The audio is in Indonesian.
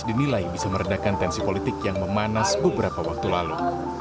dinilai bisa meredakan tensi politik yang memanas beberapa waktu lalu